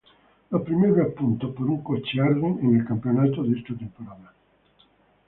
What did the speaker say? Los primeros puntos por un coche Arden en el campeonato de esta temporada.